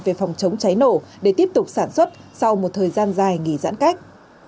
về phòng chống cháy nổ để tiếp tục sản xuất sau một thời gian dài nghỉ giãn cách